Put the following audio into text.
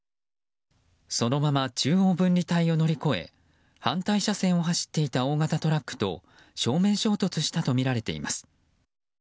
そのまま中央分離帯を乗り越え反対車線を走っていた大型トラックと正面衝突したとみられています。